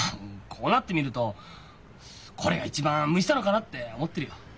こうなってみるとこれが一番向いてたのかなって思ってるよ。